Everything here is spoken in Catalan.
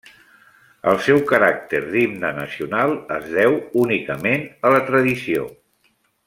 El seu caràcter d'himne nacional es deu únicament a la tradició.